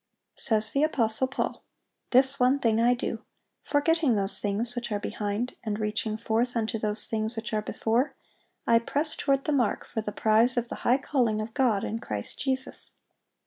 Says the apostle Paul, "This one thing I do, forgetting those things which are behind, and reaching forth unto those things which are before, I press toward the mark for the prize of the high calling of God in Christ Jesus."